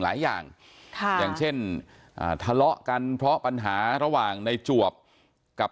หลายอย่างค่ะอย่างเช่นอ่าทะเลาะกันเพราะปัญหาระหว่างในจวบกับ